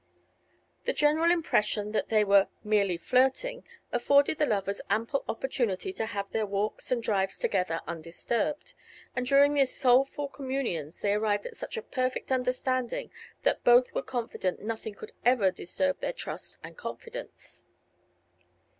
The general impression that they were "merely flirting" afforded the lovers ample opportunity to have their walks and drives together undisturbed, and during these soulful communions they arrived at such a perfect understanding that both were confident nothing could ever disturb their trust and confidence.